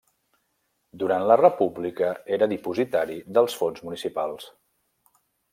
Durant la República era Dipositari dels Fons Municipals.